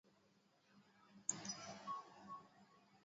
weka unga wa ngano sukari na hamira kwa pamoja